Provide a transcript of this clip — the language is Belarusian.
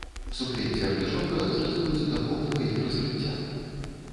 Суквецці артышока зрэзваюць да поўнага іх раскрыцця.